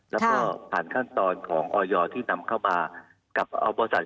แล้วก็ผ่านขั้นตอนของออยที่นำเข้ามากับบริษัท